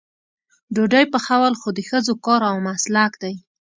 ډوډۍ پخول خو د ښځو کار او مسلک دی.